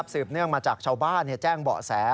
เนื่องมาจากชาวบ้านแจ้งเบาะแส